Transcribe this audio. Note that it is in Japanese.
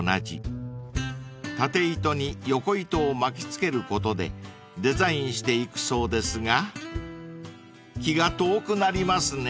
［縦糸に横糸を巻きつけることでデザインしていくそうですが気が遠くなりますね］